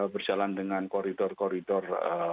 berjalan dengan koridor koridor